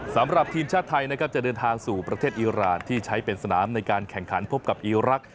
สำหรับทีมชาติไทยนะครับจะเดินทางสู่ประเทศอีรานที่ใช้เป็นสนามในการแข่งขันพบกับอีรักษ